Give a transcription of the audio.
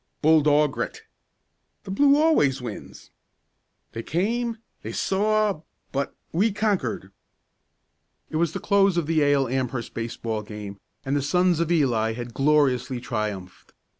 "Bull dog grit!" "The blue always wins!" "They came they saw but we conquered!" It was the close of the Yale Amherst baseball game, and the sons of Eli had gloriously triumphed.